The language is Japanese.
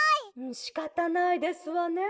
「しかたないですわね。